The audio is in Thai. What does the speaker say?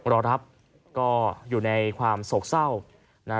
รอรับก็อยู่ในความโศกเศร้านะฮะ